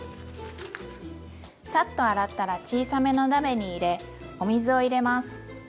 サッと洗ったら小さめの鍋に入れお水を入れます。